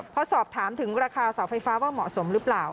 พอสอบถามถึงราคาเสาไฟฟ้าว่าเหมาะสมหรือเปล่า